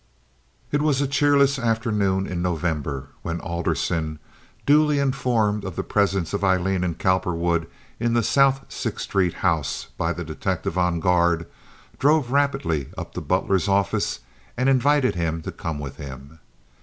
It was a cheerless afternoon in November, when Alderson, duly informed of the presence of Aileen and Cowperwood in the South Sixth Street house by the detective on guard drove rapidly up to Butler's office and invited him to come with him.